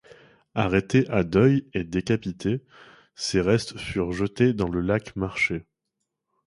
Arrêté à Deuil et décapité, ses restes furent jetés dans le lac marchais.